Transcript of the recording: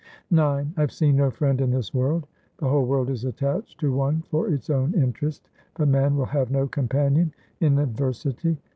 IX I have seen no friend in this world ; The whole world is attached to one for its own interest, but man will have no companion in adversity.